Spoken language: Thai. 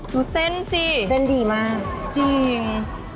ดูเส้นสิเส้นดีมากจริง